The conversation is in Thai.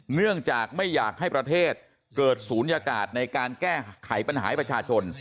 เนื่องจากไม่อยากให้ประเทศเกิดศูนยากาศในการแก้ไขปัญหาให้ประชาชน